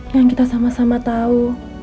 dan kita sama sama tahu